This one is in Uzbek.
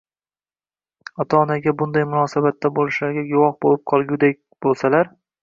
ota-onaga bunday munosabatda bo‘lishlariga guvoh bo‘lib qolguday bo‘lsalar